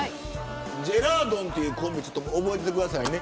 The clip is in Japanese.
ジェラードンというコンビ覚えてくださいね。